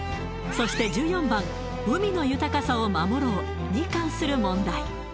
そして１４番「海の豊かさを守ろう」に関する問題